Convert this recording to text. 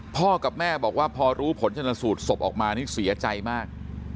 พ่อกับแม่บอกว่าพอรู้ผลชนสูตรศพออกมานี่เสียใจมาก